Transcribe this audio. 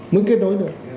muốn kết nối thôi